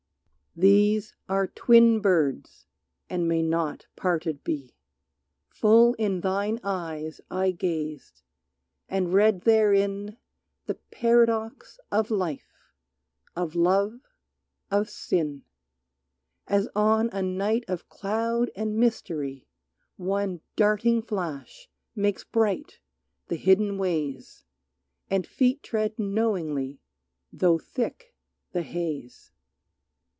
"These are twin birds and may not parted be." Full in thine eyes I gazed, and read therein The paradox of life, of love, of sin, As on a night of cloud and mystery One darting flash makes bright the hidden ways, And feet tread knowingly though thick the haze.